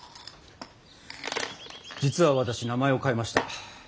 実は私名前を変えました。